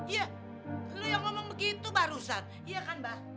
iya lu yang ngomong begitu barusan iya kan mbak